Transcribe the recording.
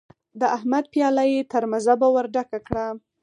د احمد پياله يې تر مذبه ور ډکه کړه.